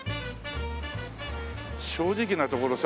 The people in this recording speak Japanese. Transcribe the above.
正直なところさ